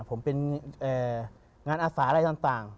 ผมเป็นงานอาสาอะไรต่าง